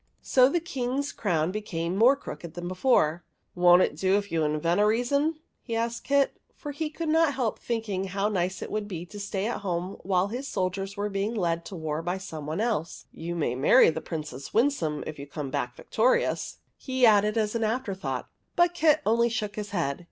So the King's crown became more crooked than before. " Won't it do if you invent a reason ?" he asked Kit, for he could not help thinking how nice it would be to stay at home while his soldiers were being led to war by someone else. "You may marry the Princess Win some if you come back victorious," he added as an afterthought. But Kit only shook his head.